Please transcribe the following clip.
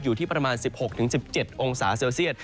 อยู่ที่ประมาณ๑๖๑๗องศาเซลเซียต